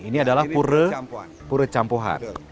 ini adalah pura campuhan